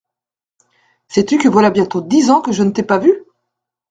Sais-tu que voilà bientôt dix ans que je ne t’ai pas vu !…